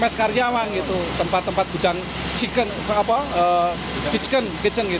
mes karyawan tempat tempat bujang chicken kitchen